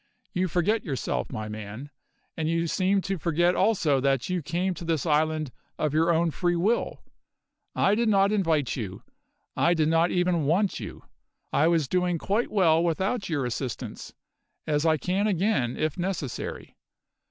You forget yourself, my man; and you seem to forget also that you came to this island of your own free will. I did not invite you. I did not even want you; I was doing quite well without your assistance, as I can again, if necessary.